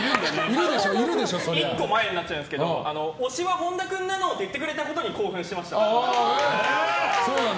１個前になっちゃうんですが推しは本田君なのって言ってくれたことに興奮してました。